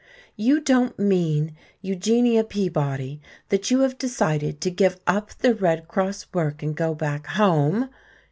"You don't mean, Eugenia Peabody, that you have decided to give up the Red Cross work and go back home?